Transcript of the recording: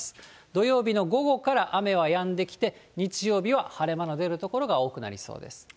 土曜日の午後から雨はやんできて、日曜日は晴れ間の出る所が多くなりそうです。